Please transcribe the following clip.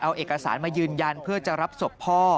เอาเอกสารมายืนยันเพื่อจะรับศพพ่อ